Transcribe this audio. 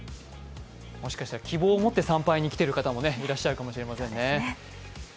もしかしたら希望を持って参拝に来ている方もいるかもしれませんね。